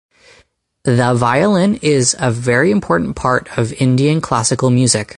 The violin is a very important part of Indian classical music.